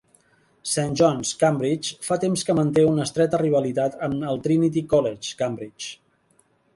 Saint John's, Cambridge fa temps que manté una estreta rivalitat amb el Trinity College, Cambridge.